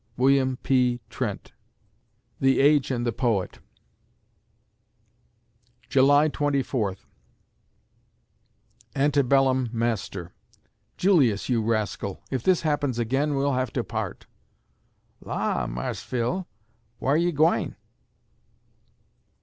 WILLIAM P. TRENT (The Age and the Poet) July Twenty Fourth Ante bellum Master: "Julius, you rascal, if this happens again we'll have to part." "La, Marse Phil, whar you gwine?"